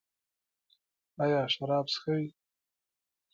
ایا شراب څښئ؟